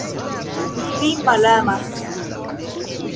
Mi vin malamas!